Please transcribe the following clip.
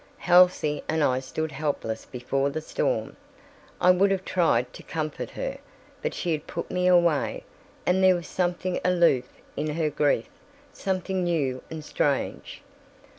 Halsey and I stood helpless before the storm. I would have tried to comfort her, but she had put me away, and there was something aloof in her grief, something new and strange.